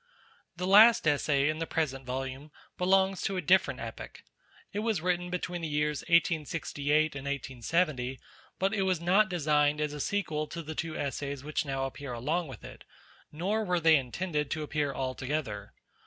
The last Essay in the present volume belongs to a different epoch; it was written between the years 1868 and 1870, but it was not designed as a sequel to the two Essays which now appear along with it, nor were they intended to appear all together.